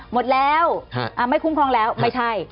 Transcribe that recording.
หมดแล้วไม่คุ้มครองแล้วไม่ใช่